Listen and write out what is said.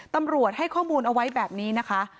ตำรวจให้ข้อมูลเอาไว้แบบนี้นะคะ